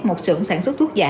một sưởng sản xuất thuốc giả